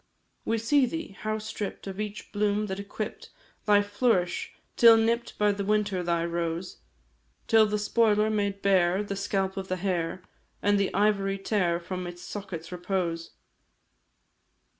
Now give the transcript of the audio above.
We see thee how stripp'd of each bloom that equipp'd Thy flourish, till nipp'd the winter thy rose; Till the spoiler made bare the scalp of the hair, And the ivory tare from its sockets' repose.